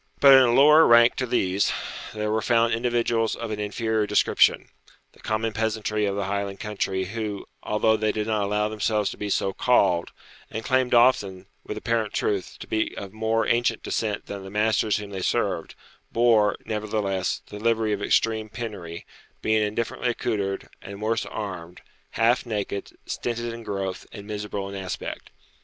But, in a lower rank to these, there were found individuals of an inferior description, the common peasantry of the Highland country, who, although they did not allow themselves to be so called, and claimed often, with apparent truth, to be of more ancient descent than the masters whom they served, bore, nevertheless, the livery of extreme penury, being indifferently accoutred, and worse armed, half naked, stinted in growth, and miserable in aspect.